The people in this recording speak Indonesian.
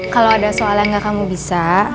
kalo ada soalnya gak kamu bisa